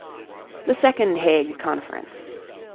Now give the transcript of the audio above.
THE SECOND HAGUE CONFERENCE.